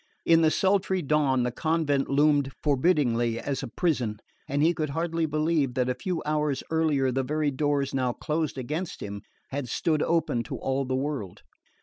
In the sultry dawn the convent loomed forbiddingly as a prison, and he could hardly believe that a few hours earlier the very doors now closed against him had stood open to all the world.